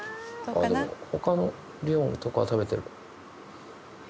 あっでも他のリオンとかは食べてる。